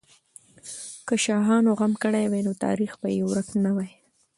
که شاهانو غم کړی وای، نو تاریخ به یې ورک نه وای.